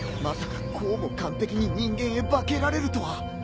まさかこうも完璧に人間へ化けられるとは！